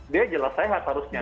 dia jelas sehat seharusnya